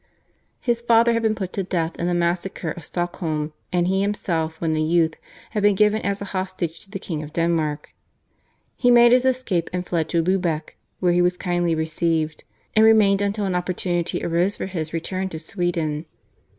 His father had been put to death in the massacre of Stockholm, and he himself when a youth had been given as a hostage to the King of Denmark. He made his escape and fled to Lubeck, where he was kindly received, and remained until an opportunity arose for his return to Sweden.